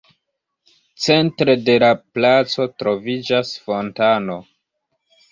Centre de la placo troviĝas fontano.